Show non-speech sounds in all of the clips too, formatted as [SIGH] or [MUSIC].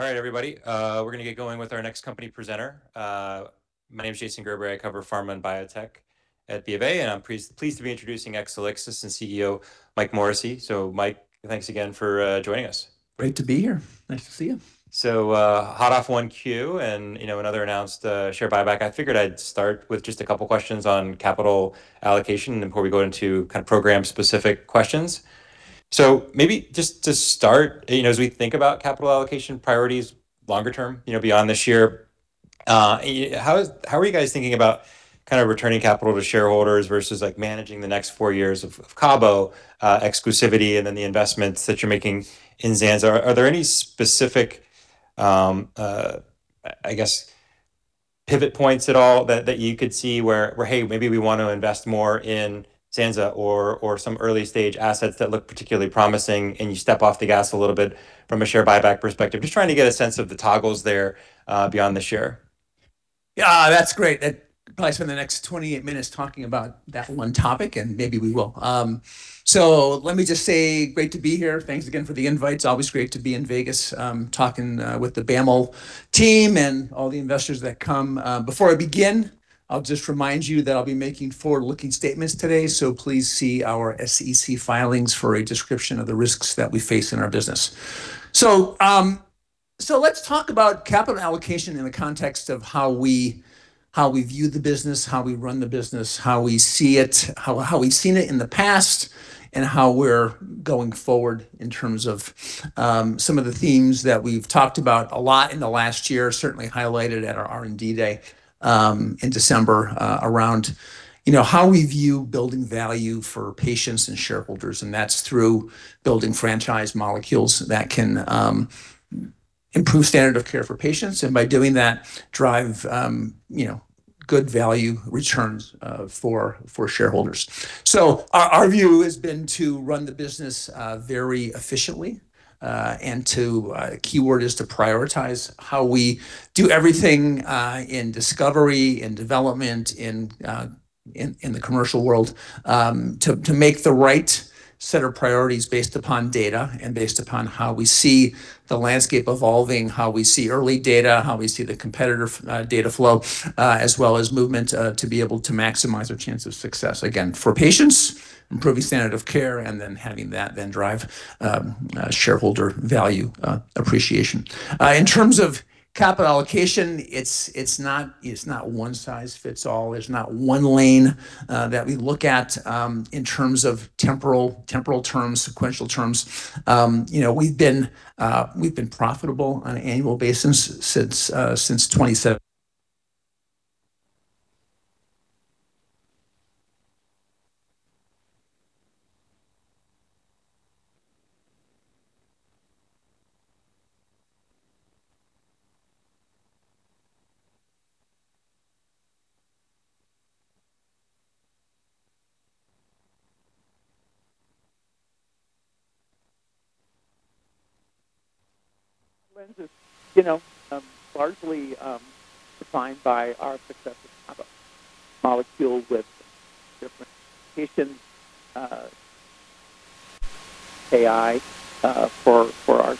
All right, everybody. We're gonna get going with our next company presenter. My name is Jason Gerberry. I cover pharma and biotech at BofA, and I'm pleased to be introducing Exelixis and CEO Mike Morrissey. Mike, thanks again for joining us. Great to be here. Nice to see you. Hot off 1 Q and another announced share buyback, I figured I'd start with just a couple questions on capital allocation before we go into kind of program-specific questions. Maybe just to start, as we think about capital allocation priorities longer term, beyond this year, how are you guys thinking about kind of returning capital to shareholders versus, like, managing the next four years of CABO exclusivity and then the investments that you're making in zanza? Are there any specific, I guess, pivot points at all that you could see where, hey, maybe we want to invest more in zanza or some early-stage assets that look particularly promising and you step off the gas a little bit from a share buyback perspective? Just trying to get a sense of the toggles there, beyond the share. Yeah, that's great. I could probably spend the next 28 minutes talking about that one topic, and maybe we will. Let me just say great to be here. Thanks again for the invite. It's always great to be in Vegas, talking with the BAML team and all the investors that come. Before I begin, I'll just remind you that I'll be making forward-looking statements today, please see our SEC filings for a description of the risks that we face in our business. Let's talk about capital allocation in the context of how we view the business, how we run the business, how we see it, how we've seen it in the past, and how we're going forward in terms of some of the themes that we've talked about a lot in the last year, certainly highlighted at our R&D day in December, around, you know, how we view building value for patients and shareholders, and that's through building franchise molecules that can improve standard of care for patients and by doing that drive, you know, good value returns for shareholders. Our view has been to run the business very efficiently and to keyword is to prioritize how we do everything in discovery, in development, in the commercial world, to make the right set of priorities based upon data and based upon how we see the landscape evolving, how we see early data, how we see the competitor data flow, as well as movement, to be able to maximize our chance of success. Again, for patients, improving standard of care and then having that then drive shareholder value appreciation. In terms of capital allocation, it's not one size fits all. There's not one lane that we look at in terms of temporal terms, sequential terms. We've been profitable on an annual basis since Exelixis is largely defined by our success with [AUDIO DISTORTION] molecule with different, [AUDIO DISTORTION] AI for our.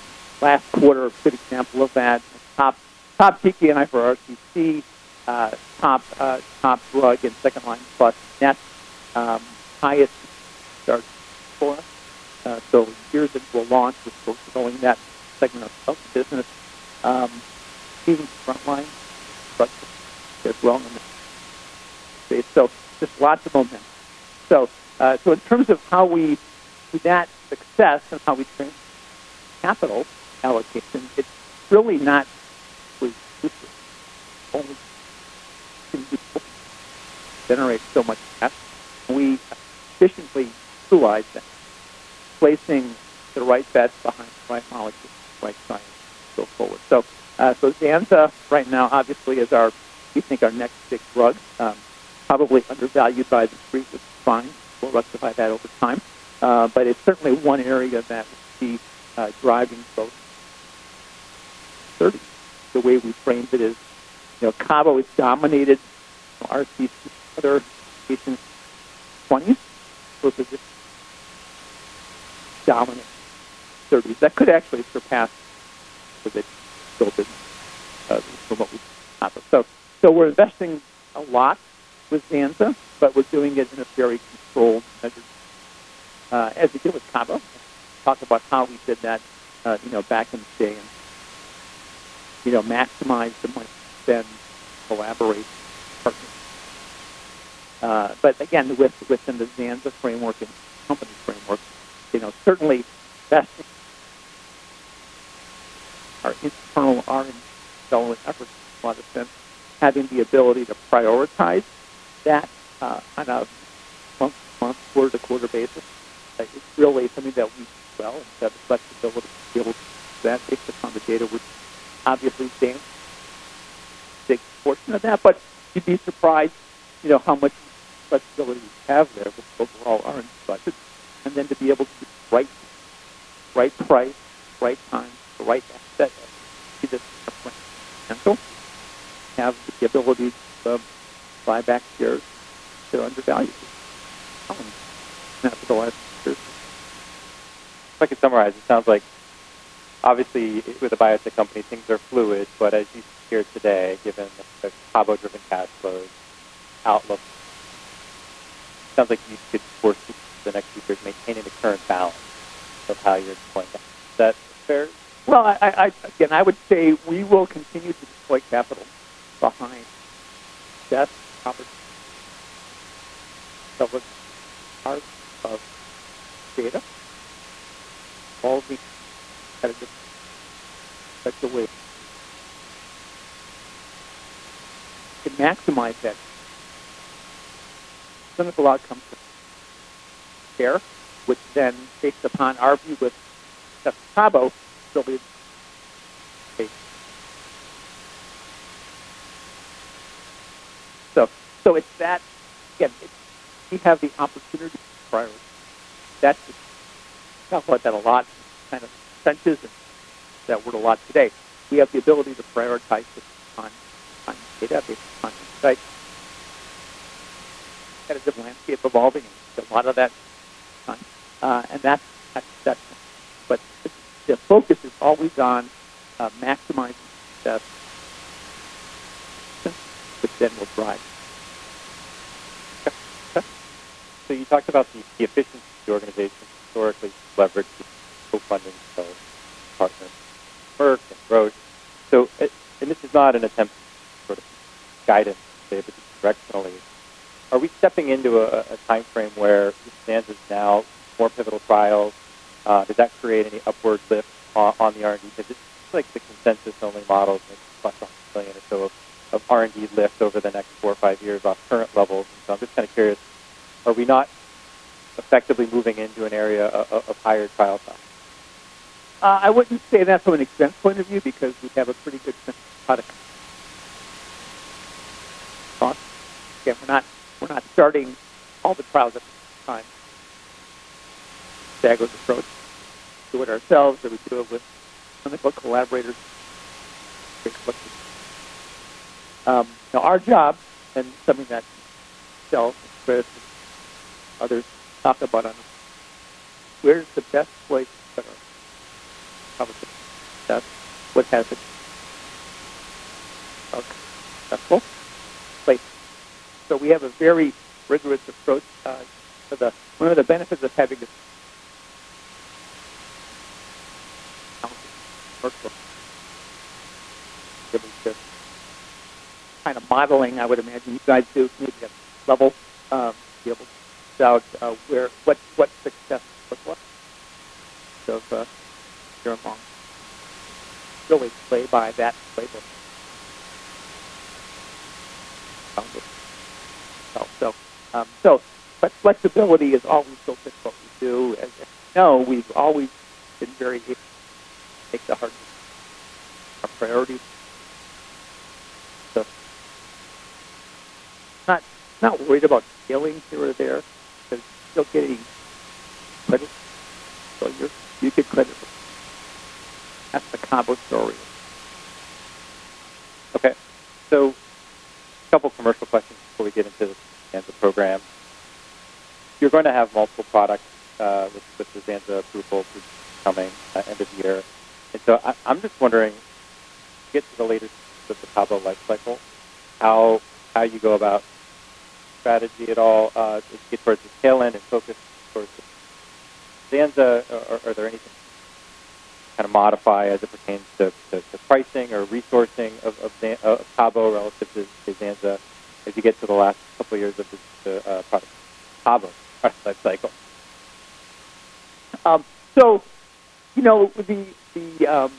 [AUDIO DISTORTION] Last quarter, a good example of that, top, [AUDIO DISTORTION] top drug in second line, [AUDIO DISTORTION] highest start. [AUDIO DISTORTION] Years into a launch, [AUDIO DISTORTION] even frontline. [AUDIO DISTORTION] Just lots of. [AUDIO DISTORTION] In terms of how we do that success and how [AUDIO DISTORTION] capital allocation, it's really not only generates so much cash. We efficiently utilize that, placing the right bets behind the right molecules, the right science to go forward. Zanza right now obviously is our, we think our next big drug, probably undervalued by the street, which is fine. We'll rectify that over time. It's certainly one area that we see driving both. [AUDIO DISTORTION] The way we framed it is, you know, CABO is dominated [AUDIO DISTORTION] that could actually surpass. [AUDIO DISTORTION] We're investing a lot with zanza, but we're doing it in a very controlled, [AUDIO DISTORTION] as we did with CABO. Talk about how we did that, you know, back in the day and, you know, maximize the money we spend, collaborate with partners. Again, within the zanza framework and company framework, you know, certainly investing our internal R&D development efforts for a lot of sense, having the ability to prioritize that on a month to month, quarter to quarter basis. It's really something that we do well and have the flexibility to be able to do that based upon the data, which obviously takes a portion of that. You'd be surprised, you know, how much flexibility we have there with overall R&D budget, and then to be able to right price, right time, the right asset to this plan. Have the ability to buy back shares that are undervalued. Capitalized, sure. If I could summarize, it sounds like obviously with a biotech company, things are fluid, but as you've shared today, given the CABO-driven cash flows outlook, it sounds like you need to get four seasons to the next few years maintaining the current balance of how you're deploying capital. Is that fair? Well, again, I would say we will continue to deploy capital behind best opportunities that was part of data, all the competitive advantage, such a way to maximize that clinical outcome for care, which then takes upon our view with the CABO still being a case. It's that, again, we have the opportunity to prioritize. That's the thing. We talk about that a lot in kind of the consensus and we use that word a lot today. We have the ability to prioritize if it's on data, if it's on insight. We've got a good landscape evolving and we've got a lot of that to focus on. That's exceptional. The focus is always on maximizing success, which then will drive. Okay. You talked about the. [AUDIO DISTORTION] This is not an attempt to sort of guidance, say, but just directionally, are we stepping into a timeframe where zanza stands as now more pivotal trials? Does that create any upward lift on the R&D? It seems like the consensus-only models make [AUDIO DISTORTION] of R&D lift over the next four or five years off current levels. I'm just kind of curious, are we not effectively moving into an area of higher trial size? I wouldn't say that from an expense point of view because we have a pretty good sense of product cost. We're not starting all the trials at the same time. [AUDIO DISTORTION] we do it ourselves or we do it with clinical collaborators. It's a collective. Our job and something that Michelle and Chris and others talk about on a regular basis, where's the best place to put our capital? That's what has the most successful place. We have a very rigorous approach, one of the benefits of having this. How we work with partners is that we do kind of modeling, I would imagine you guys do maybe at a different level to be able to figure out what success looks like in terms of year-over-year. Really play by that playbook. Sounds good. Flexibility is always built into what we do. As you know, we've always been very here to take the hard decisions. Our priority. I'm not worried about scaling here or there because you're still getting credit. You get credit for that. That's the CABO story. A couple of commercial questions before we get into the zanza program. You're going to have multiple products with the zanza approval coming end of the year. I'm just wondering, as you get to the later stages of the CABO lifecycle, how you go about strategy at all, if you get towards the tail end and focus towards the zanza, are there any things you kind of modify as it pertains to pricing or resourcing of CABO relative to zanza as you get to the last couple of years of the product CABO lifecycle? You know, the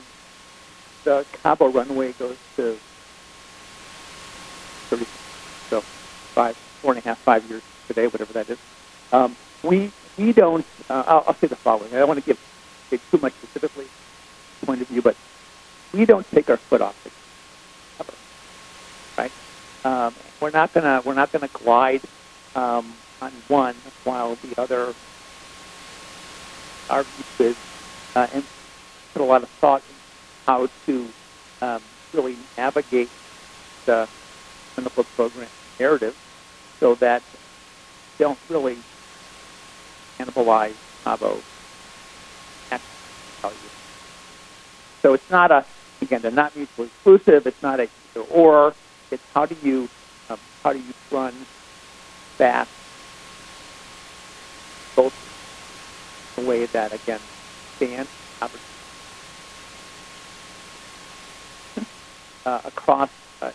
CABO runway goes to 36 months. Four and a half, five years from today, whatever that is. I'll say the following. I don't want to give too much specifically from our point of view, but we don't take our foot off the gas on CABO. Right? We're not going to glide on one while the other. Our view is, and we put a lot of thought into how to really navigate the clinical program narrative so that we don't really cannibalize CABO's maximum value. It's not a, again, they're not mutually exclusive. It's not a either or. It's how do you run fast both ways in a way that, again, expands the opportunity set across the entire portfolio,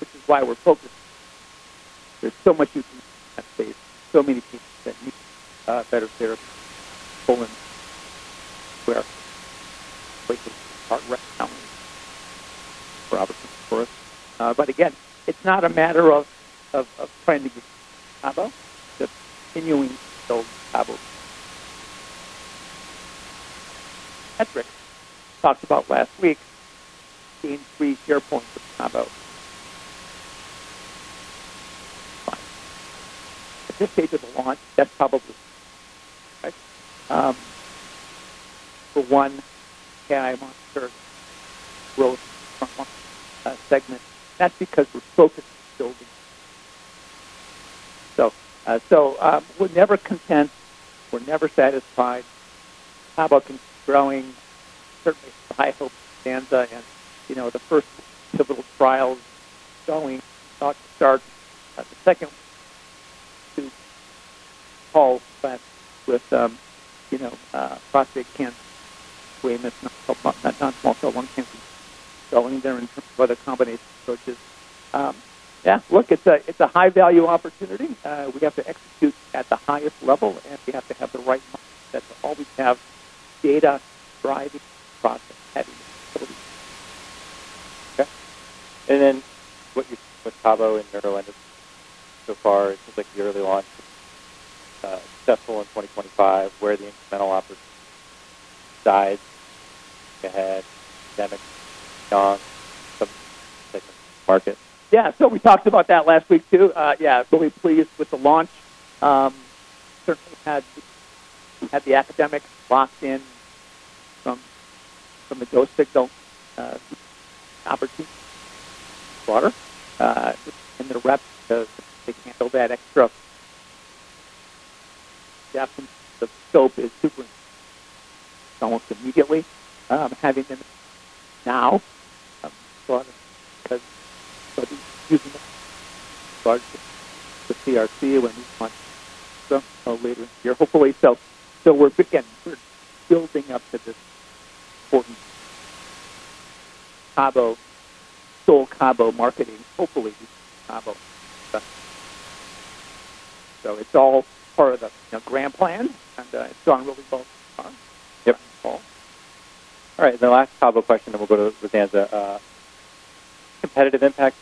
which is why we're focused on it. There's so much you can do in that space. There's so many patients that need better therapies. [AUDIO DISTORTION] Again, it's not a matter of trying to displace CABO. It's continuing to build CABO. The metric we talked about last week, gaining three share points with CABO. That's fine. At this stage of the launch, that's probably fine. Right? For one, KI monster growth from one segment. That's because we're focused on building. We're never content. We're never satisfied. CABO can keep growing. Certainly trials with zanza and, you know, the first two pivotal trials going. We thought to start the second one soon. Paul's back with, you know, prostate cancer treatment, non-small cell lung cancer going there in terms of other combination approaches. Yeah, look, it's a high value opportunity. We have to execute at the highest level and we have to have the right mindset to always have data driving the process at each facility. Okay. What you're seeing with CABO and [AUDIO DISTORTION] so far, it seems like the early launch was successful in 2025. Where are the incremental [AUDIO DISTORTION] in the market? Yeah. We talked about that last week too. Yeah. Really pleased with the launch. Certainly had the academics locked in from the dose signal. We have an opportunity to expand that even further in the reps because they can handle that extra. The adoption of the KOLs is super encouraging almost immediately. Having them in now is fun because everybody's using them. We can start the PRT when we launch the clinical data later in the year, hopefully. We're beginning. We're building up to this important CABO, sole CABO marketing, hopefully using the CABO data successfully. It's all part of the grand plan and it's going really well so far. Yep. All right. The last CABO question and we'll go to zanza. Competitive impact [AUDIO DISTORTION]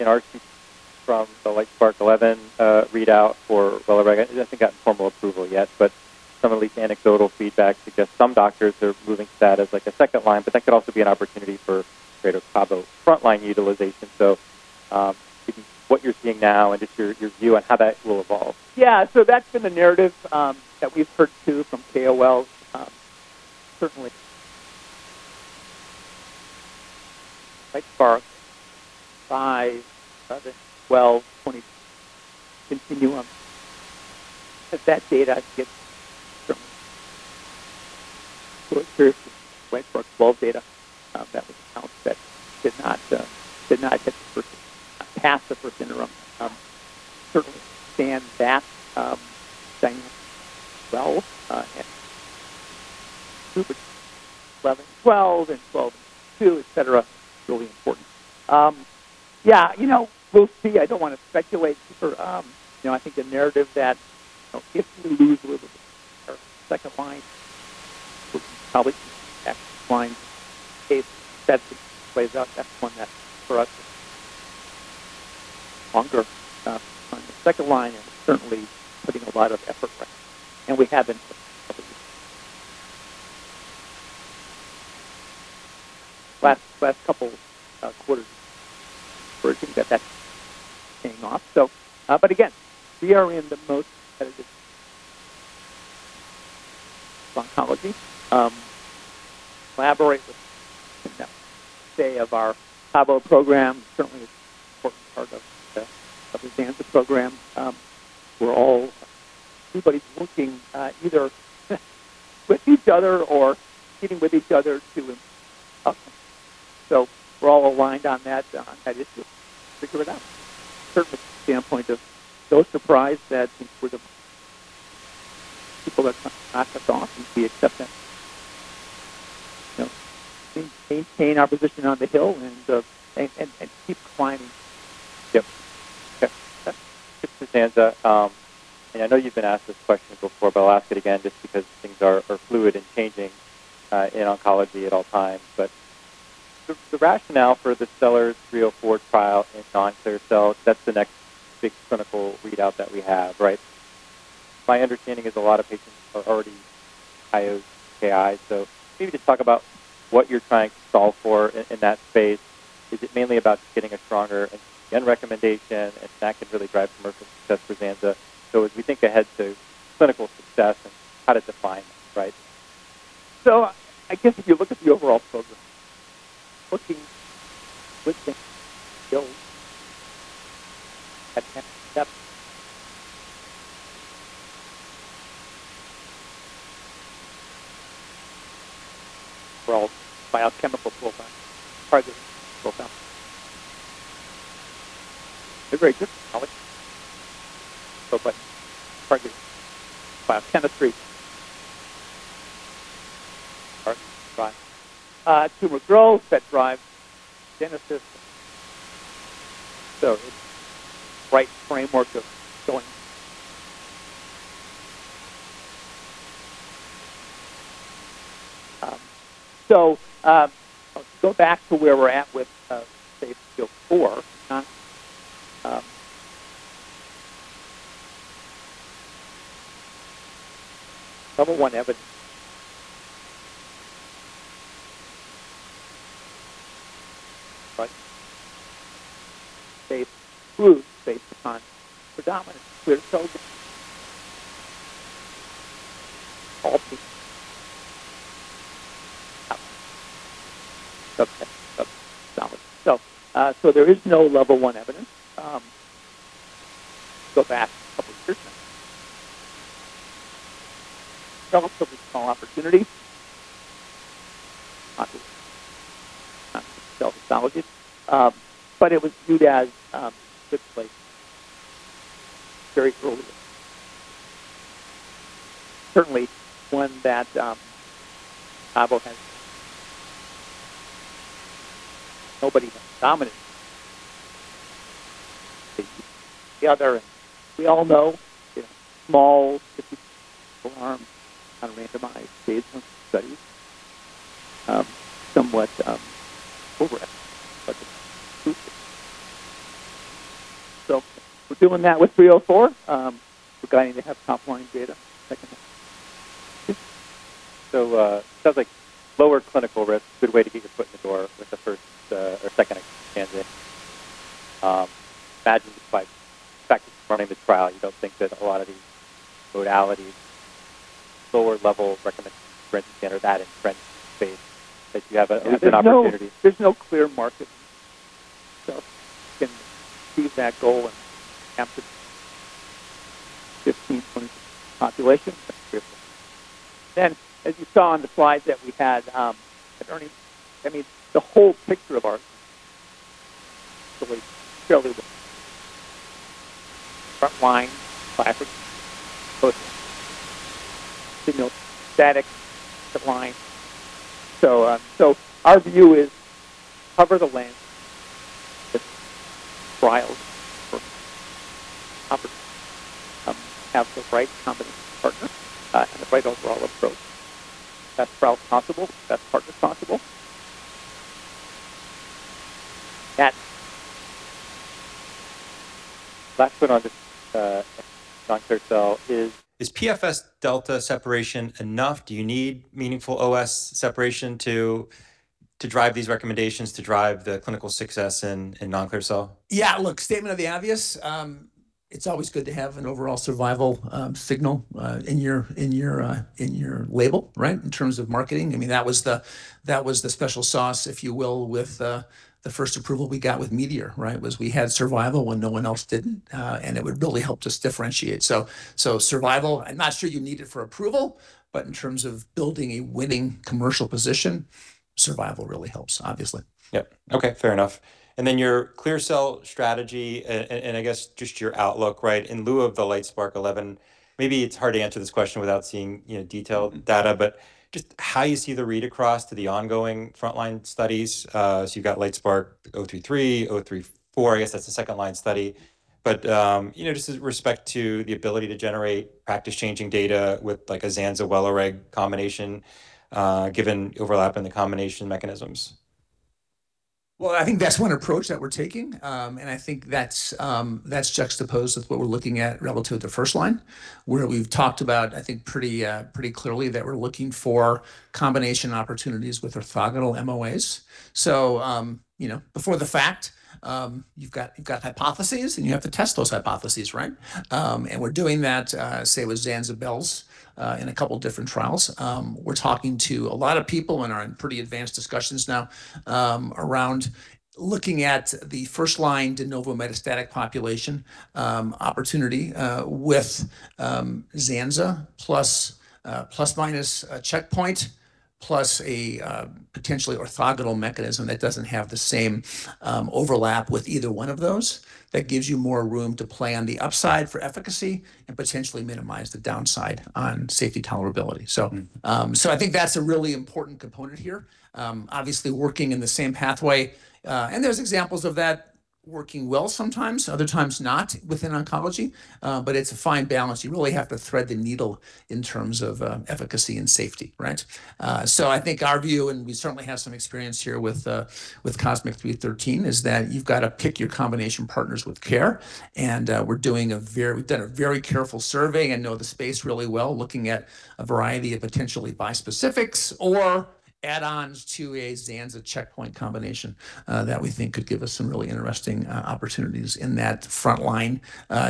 from the LITESPARK-011 readout for, well, it hasn't gotten formal approval yet, but some at least anecdotal feedback suggests some doctors are moving to that as like a second line, but that could also be an opportunity for greater CABO frontline utilization. What you're seeing now and just your view on how that will evolve. Yeah. That's been the narrative that we've heard too from KOLs. Certainly LITESPARK-005, [AUDIO DISTORTION] LITESPARK-012, [AUDIO DISTORTION] continuum. As that data gets stronger, it's curious to see LITESPARK-012 data that was announced that did not hit the first interim, not pass the first interim. Certainly, [AUDIO DISTORTION] et cetera. It's really important. Yeah. You know, we'll see. I don't want to speculate super. You know, I think the narrative that, you know, if we lose a little bit of share second line, we can probably gain some back first line. If that situation plays out, that's one that for us is really important to keep the share longer on the second line and certainly putting a lot of effort there. We have been for a couple of years now. Last couple quarters we've seen encouraging that that's paying off. But again, we are in the most competitive space in oncology. We collaborate with everyone in that space. I would say of our CABO program, certainly it's an important part of the zanza program. We're all, everybody's working either with each other or competing with each other to improve outcomes. We're all aligned on that issue and we'll figure it out. Certainly from the standpoint of dose and price, that seems we're the most people that come knock us off and we accept that and, you know, maintain our position on the hill and keep climbing. Yep. Okay. Yep. Yep. [AUDIO DISTORTION] zanza, I know you've been asked this question before, but I'll ask it again just because things are fluid and changing in oncology at all times. The rationale for the STELLAR-304 trial in non-clear cells, that's the next big clinical readout that we have, right? My understanding is a lot of patients are already on high-dose TKI. Maybe just talk about what you're trying to solve for in that space. Is it mainly about getting a stronger NCCN recommendation and that can really drive commercial success for zanza? As we think ahead to clinical success and how to define that, right? I guess if you look at the overall program, looking. [AUDIO DISTORTION] Overall biochemical profile, [AUDIO DISTORTION] biochemistry. Target drive tumor growth that drives. [AUDIO DISTORTION] It's the right framework of going. To go back to where we're at with, say. [AUDIO DISTORTION] Level one evidence. They flew based on predominance. We're so dominant. A. [AUDIO DISTORTION] There is no level one evidence. Go back. [AUDIO DISTORTION] Develop some of these small opportunities. [AUDIO DISTORTION] but it was viewed as a good place. Very early days. Certainly one that CABO has nobody even dominates. They eat each other. We all know, you know, small 50-patient single-arm unrandomized phase I studies somewhat overestimating the budget. We're doing that with 304. We're going to have top-line data second half of the year. It sounds like lower clinical risk, good way to get your foot in the door with the first or second expansion. Imagine just by the fact that you're running this trial, you don't think that a lot of these modalities, lower level recommendations in the frontline setting, that in frontline space, that you have an opportunity. There's no clear market need. We can achieve that goal and capture [AUDIO DISTORTION] of the population. That's beautiful. As you saw on the slides that we had, [AUDIO DISTORTION] I mean, the whole picture of our company is really fairly well frontline, classic, close. Signal static, second line. Our view is cover the landscape with trials and commercial opportunities. Have the right combination partner and the right overall approach. Best trials possible, best partners possible. That's last foot on just non-clear-cell is Is PFS delta separation enough? Do you need meaningful OS separation to drive these recommendations, to drive the clinical success in non-clear cell? Statement of the obvious. It's always good to have an overall survival signal in your label, right, in terms of marketing. I mean, that was the special sauce, if you will, with the first approval we got with METEOR, right, was we had survival when no one else didn't. It would really help just differentiate. Survival, I'm not sure you need it for approval, but in terms of building a winning commercial position, survival really helps, obviously. Yep. Okay, fair enough. Your clear cell strategy, I guess just your outlook, right, in lieu of the LITESPARK-011, maybe it's hard to answer this question without seeing detailed data, just how you see the read across to the ongoing frontline studies. You've got LITESPARK-033, LITESPARK-034, I guess that's the second line study. Just with respect to the ability to generate practice-changing data with like a zanza-WELIREG combination, given overlap in the combination mechanisms. Well, I think that's one approach that we're taking. I think that's juxtaposed with what we're looking at relative to the first line, where we've talked about, I think, pretty clearly that we're looking for combination opportunities with orthogonal MOAs. Before the fact, you've got hypotheses and you have to test those hypotheses, right? We're doing that, say, with zanza in a couple of different trials. We're talking to a lot of people and are in pretty advanced discussions now around looking at the first line de novo metastatic population opportunity with zanza ± a checkpoint plus a potentially orthogonal mechanism that doesn't have the same overlap with either one of those. That gives you more room to play on the upside for efficacy and potentially minimize the downside on safety tolerability. I think that's a really important component here. Obviously working in the same pathway. There's examples of that working well sometimes, other times not within oncology, but it's a fine balance. You really have to thread the needle in terms of efficacy and safety, right? I think our view, and we certainly have some experience here with COSMIC-313, is that you've got to pick your combination partners with care. We've done a very careful survey and know the space really well, looking at a variety of potentially bispecifics or add-ons to a zanza checkpoint combination that we think could give us some really interesting opportunities in that frontline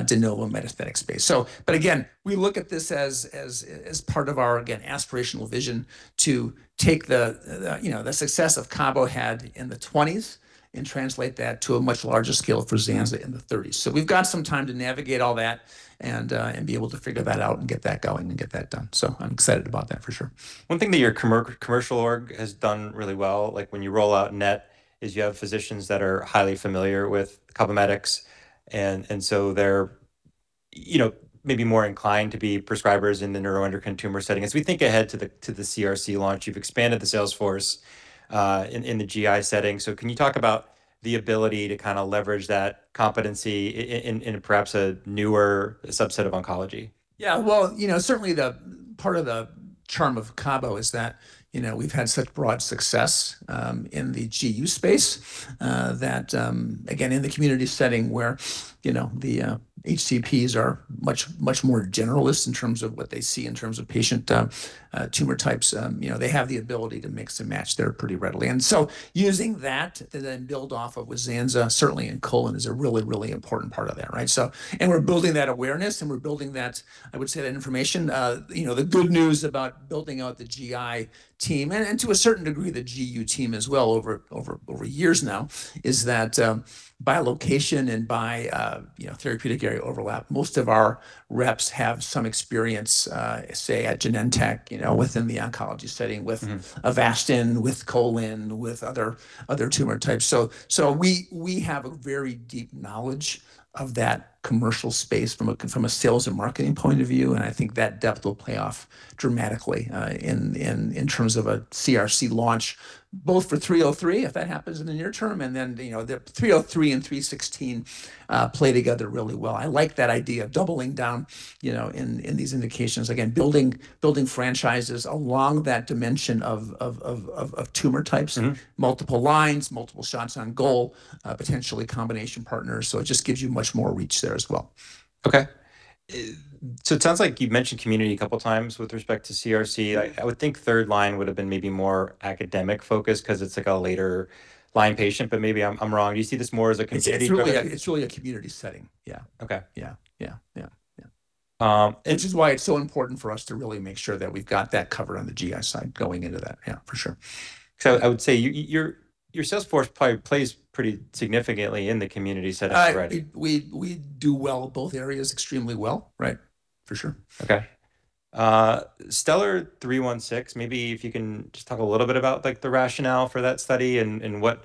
de novo metastatic space. Again, we look at this as part of our, again, aspirational vision to take the success of CABO had in the 20s and translate that to a much larger scale for Zanza in the 30s. We've got some time to navigate all that and be able to figure that out and get that going and get that done. I'm excited about that for sure. One thing that your commercial org has done really well, like when you roll out NET, is you have physicians that are highly familiar with CABOMETYX. They're maybe more inclined to be prescribers in the neuroendocrine tumor setting. As we think ahead to the CRC launch, you've expanded the sales force in the GI setting. Can you talk about the ability to kind of leverage that competency in perhaps a newer subset of oncology? Yeah, well, certainly part of the. Charm of CABO is that, you know, we've had such broad success, in the GU space, that, again, in the community setting where, you know, the HCPs are much more generalists in terms of what they see in terms of patient, tumor types. You know, they have the ability to mix and match there pretty readily. Using that to then build off of with zanza certainly in colon is a really important part of that, right? We're building that awareness, and we're building that, I would say, that information. You know, the good news about building out the GI team and to a certain degree the GU team as well over years now is that, by location and by, you know, therapeutic area overlap, most of our reps have some experience, say at Genentech, you know, within the oncology setting. Avastin, with colon, with other tumor types. We have a very deep knowledge of that commercial space from a sales and marketing point of view, and I think that depth will play off dramatically in terms of a CRC launch both for STELLAR-303 if that happens in the near term, and then, you know, the STELLAR-303 and STELLAR-316 play together really well. I like that idea of doubling down, you know, in these indications. Again, building franchises along that dimension of tumor types. Multiple lines, multiple shots on goal, potentially combination partners, so it just gives you much more reach there as well. Okay. It sounds like you've mentioned community a couple times with respect to CRC. I would think third line would've been maybe more academic focused 'cause it's like a later line patient, but maybe I'm wrong. Do you see this more as a community- It's truly a community setting. Yeah. Okay. Yeah. Yeah. Yeah. Yeah. Um- Which is why it's so important for us to really make sure that we've got that covered on the GI side going into that. Yeah, for sure. I would say your sales force probably plays pretty significantly in the community setting already. We do well, both areas extremely well. Right. For sure. Okay. stellar STELLAR-316, maybe if you can just talk a little bit about, like, the rationale for that study and what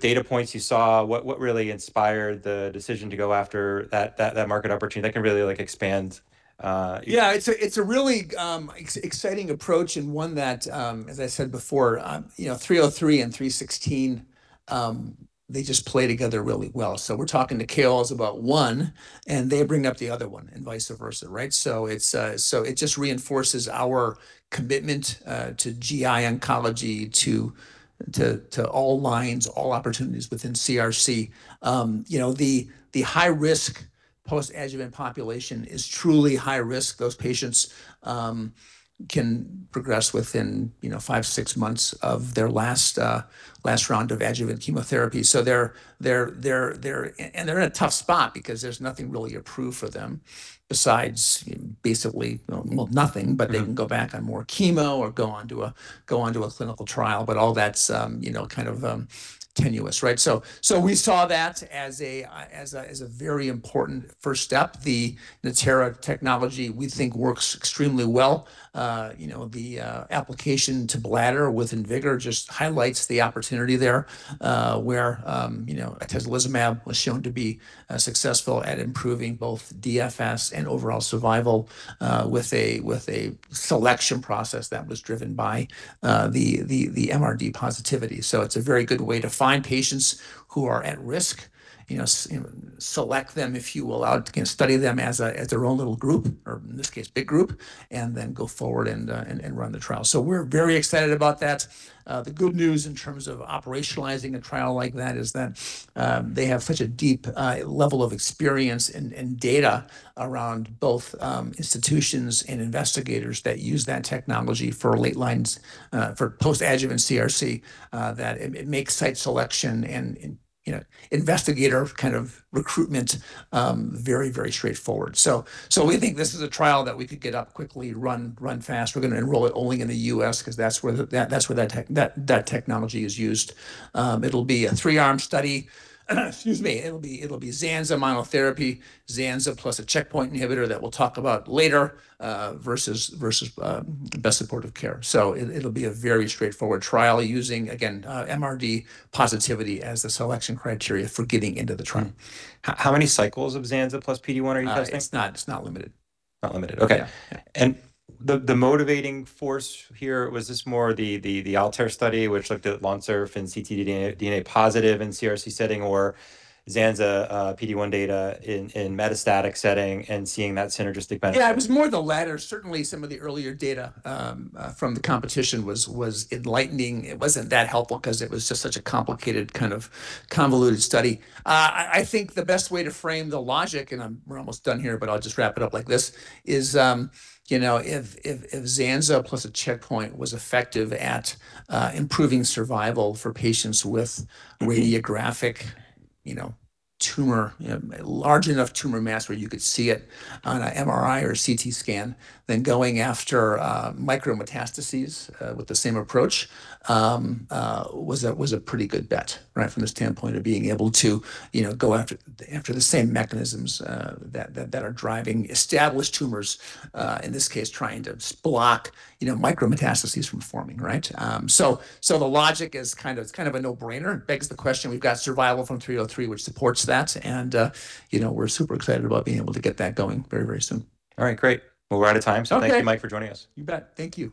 data points you saw, what really inspired the decision to go after that market opportunity that can really, like, expand? Yeah. It's a really exciting approach and one that, as I said before, you know, STELLAR-303 and STELLAR-316, they just play together really well. We're talking to KOLs about one, and they bring up the other one, and vice versa, right? It just reinforces our commitment to GI oncology to all lines, all opportunities within CRC. You know, the high risk post-adjuvant population is truly high risk. Those patients can progress within, you know, five, six months of their last round of adjuvant chemotherapy. They're in a tough spot because there's nothing really approved for them besides basically, nothing. They can go back on more chemo or go onto a clinical trial, but all that's, you know, kind of tenuous, right? We saw that as a very important first step. The Natera technology we think works extremely well. You know, the application to bladder with IMvigor just highlights the opportunity there, where, you know, atezolizumab was shown to be successful at improving both DFS and overall survival, with a selection process that was driven by the MRD positivity. It's a very good way to find patients who are at risk, you know, select them, if you will, again, study them as a, as their own little group, or in this case big group, and then go forward and run the trial. We're very excited about that. The good news in terms of operationalizing a trial like that is that they have such a deep level of experience and data around both institutions and investigators that use that technology for late lines, for post-adjuvant CRC, that it makes site selection and, you know, investigator kind of recruitment, very straightforward. We think this is a trial that we could get up quickly, run fast. We're gonna enroll it only in the U.S. because that's where the technology is used. It'll be a 3-arm study. Excuse me. It'll be zanza monotherapy, zanza plus a checkpoint inhibitor that we'll talk about later, versus best supportive care. It'll be a very straightforward trial using, again, MRD positivity as the selection criteria for getting into the trial. How many cycles of zanza plus PD-1 are you testing? It's not limited. Not limited, okay. Yeah. Yeah. The motivating force here, was this more the ALTAIR study which looked at LONSURF and ctDNA, DNA positive in CRC setting or zanza, PD-1 data in metastatic setting and seeing that synergistic benefit? Yeah, it was more the latter. Certainly some of the earlier data, from the competition was enlightening. It wasn't that helpful 'cause it was just such a complicated kind of convoluted study. I think the best way to frame the logic, and I'm we're almost done here, but I'll just wrap it up like this, is, you know, if zanza plus a checkpoint was effective at, improving survival for patients with radiographic- you know, tumor, you know, a large enough tumor mass where you could see it on a MRI or a CT scan, then going after, micrometastases, with the same approach, was a pretty good bet, right? From the standpoint of being able to, you know, go after the same mechanisms, that are driving established tumors, in this case trying to block, you know, micrometastases from forming, right? so the logic is kind of, it's kind of a no-brainer. It begs the question, we've got survival from STELLAR-303 which supports that, and, you know, we're super excited about being able to get that going very, very soon. All right. Great. Well, we're out of time. Okay. Thank you, Mike, for joining us. You bet. Thank you.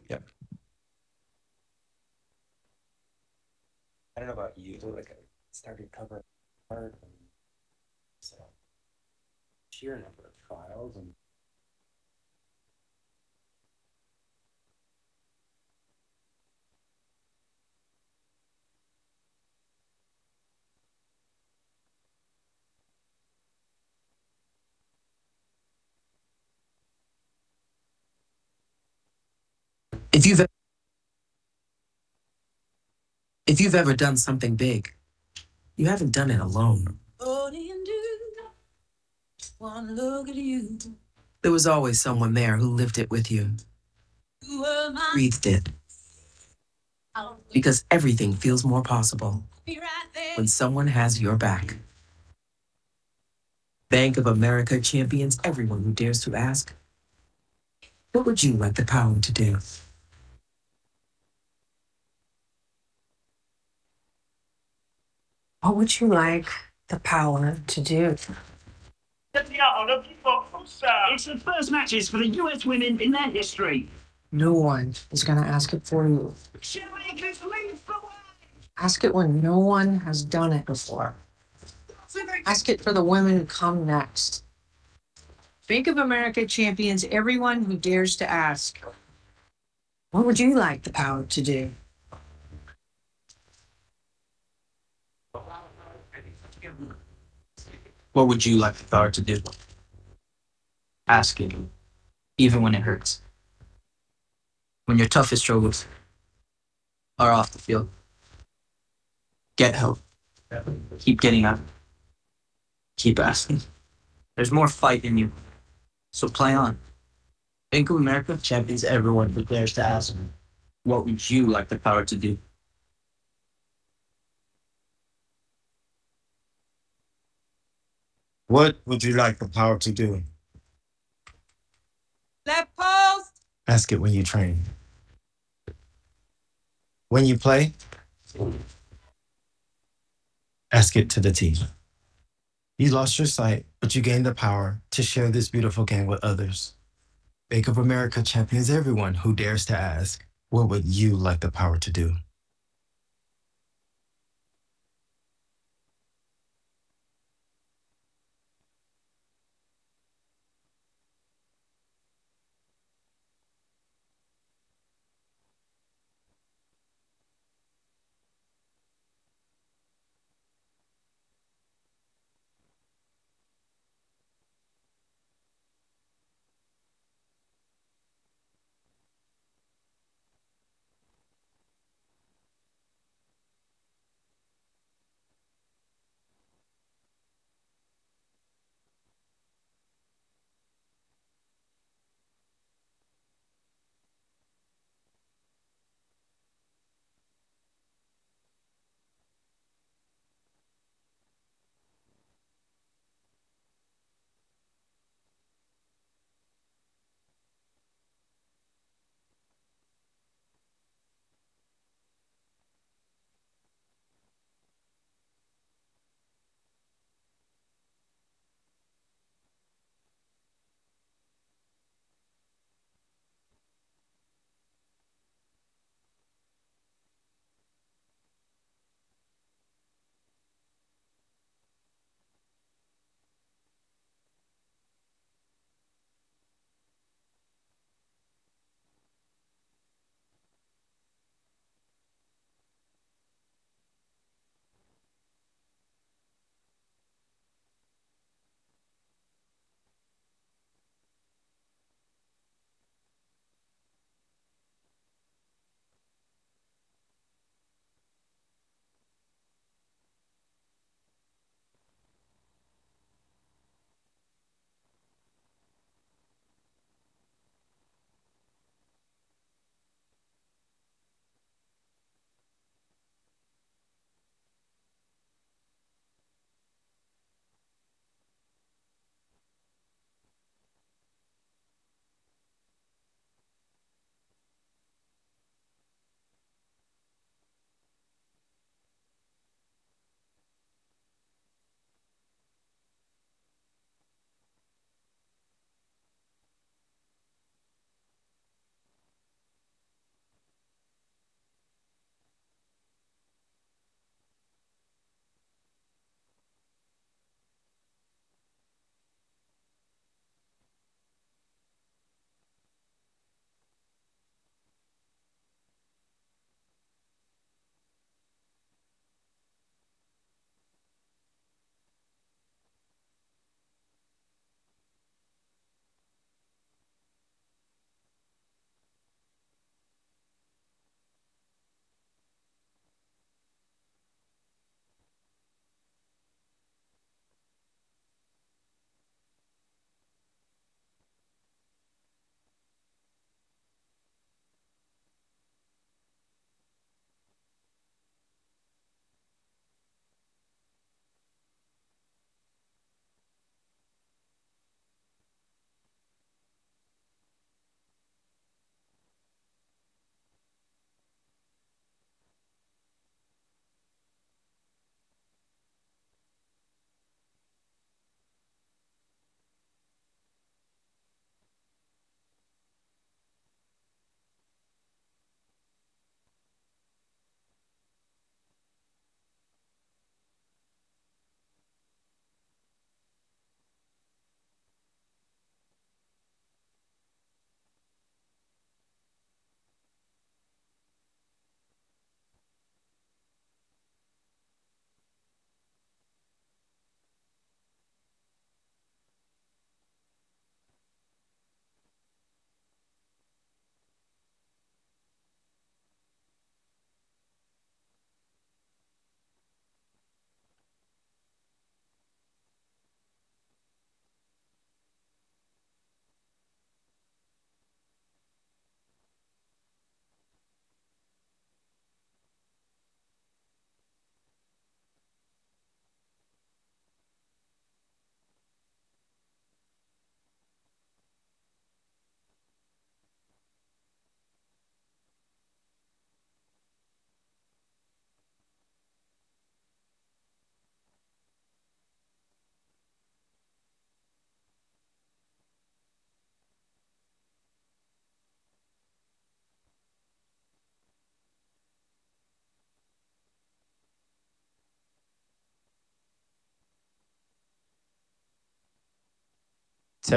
Yeah.